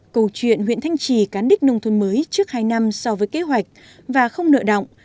câu chuyện huyện thanh trì cán đích nông thôn mới trước hai năm so với kế hoạch và không nợ động